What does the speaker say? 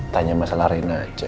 tanya masalah rina aja